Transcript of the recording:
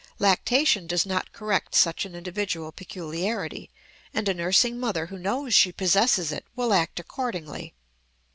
Lactation does not correct such an individual peculiarity, and a nursing mother who knows she possesses it will act accordingly.